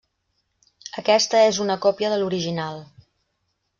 Aquesta és una còpia de l'original.